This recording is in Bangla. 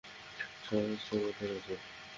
সাহস তোমাদের আছে।